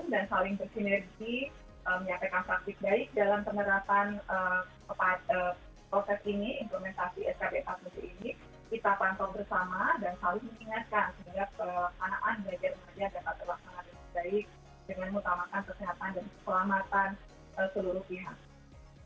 dengan mengutamakan kesehatan dan kekelamatan seluruh pihak